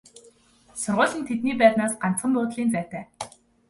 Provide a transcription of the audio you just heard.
Сургууль нь тэдний байрнаас ганцхан буудлын зайтай.